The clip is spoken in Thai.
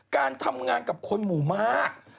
การทำงานกับคนหมู่มาก